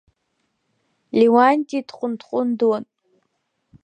Леуанти дҟәындҟәындуан.